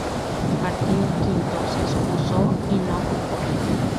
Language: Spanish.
Martin V se excusó y no concurrió.